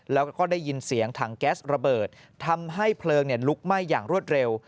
แล้วก็ได้ยินเสียงถังแก๊สระเบิดทำให้เพลิงลุกไหม้อย่างรวดเร็ว